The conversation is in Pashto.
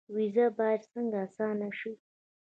ویزه باید څنګه اسانه شي؟